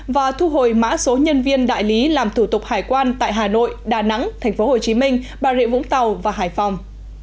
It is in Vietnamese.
và thu hồi mã số nhân viên đại lý làm thủ tục hải quan tại hà nội đà nẵng tp hcm bà rịa vũng tàu và hải phòng